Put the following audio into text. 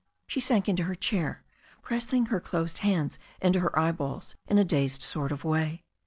She sank into her chair, pressing her closed hands into her eyeballs in a dazed sort of way.